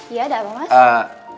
iya ada apa mas